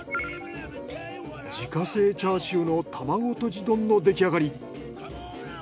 自家製チャーシューの玉子とじ丼の出来上がり。